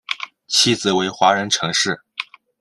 妻子为华人陈氏。